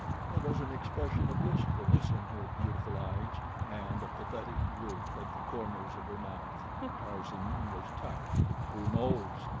There was an expression of wistfulness in her beautiful eyes, and a pathetic droop at the corners of her mouth. Tarzan was touched. "Who knows?"